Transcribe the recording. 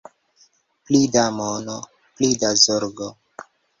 Pli da mono, pli da zorgo.